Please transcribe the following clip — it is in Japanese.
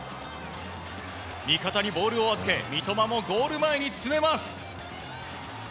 味方にボールを預け三笘もゴール前に詰めます。